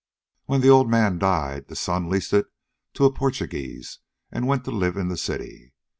When the old man died, the son leased it to a Portuguese and went to live in the city.